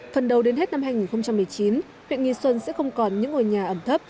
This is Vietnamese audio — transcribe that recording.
phần đầu đến hết năm hai nghìn một mươi chín huyện nghi xuân sẽ không còn những ngôi nhà ẩm thấp